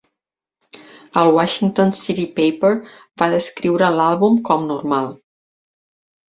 El Washington City Paper va descriure l'àlbum com "normal".